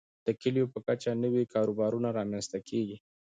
د کليو په کچه نوي کاروبارونه رامنځته کیږي.